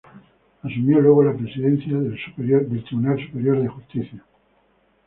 Asumió luego la presidencia del Superior Tribunal de Justicia.